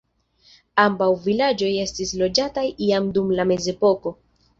Ambaŭ vilaĝoj estis loĝataj jam dum la mezepoko.